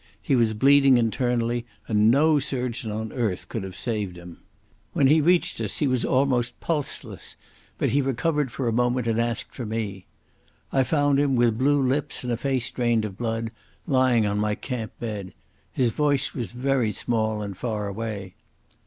He was bleeding internally and no surgeon on earth could have saved him. When he reached us he was almost pulseless, but he recovered for a moment and asked for me. I found him, with blue lips and a face drained of blood, lying on my camp bed. His voice was very small and far away.